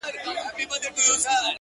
زما د سرڅښتنه اوس خپه سم که خوشحاله سم”